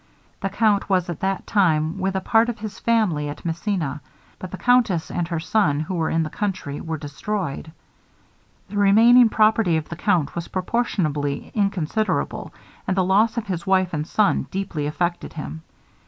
The count was at that time with a part of his family at Messina, but the countess and her son, who were in the country, were destroyed. The remaining property of the count was proportionably inconsiderable, and the loss of his wife and son deeply affected him.